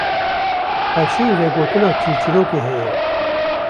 xweşî û vegotina çîrçîrokê heye